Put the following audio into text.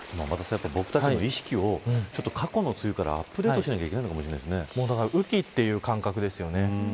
僕たちの意識を過去の梅雨からアップデートしなきゃ雨季という感覚ですよね。